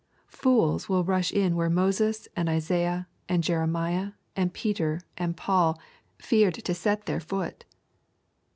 Fools will rush in where Moses and Isaiah and Jeremiah and Peter and Paul feared to set their foot.